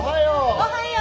おはよう。